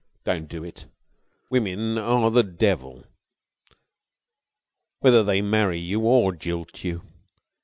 Don't do it. Women are the devil, whether they marry you or jilt you.